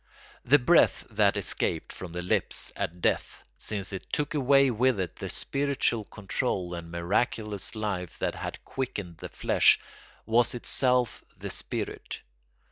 The breath that escaped from the lips at death, since it took away with it the spiritual control and miraculous life that had quickened the flesh, was itself the spirit.